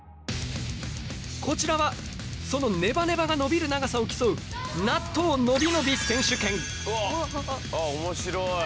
こちらはそのネバネバが伸びる長さを競うあっ面白い。